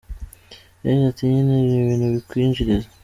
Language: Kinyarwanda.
Yagize ati “nyine ni ibintu bikwinjiriza….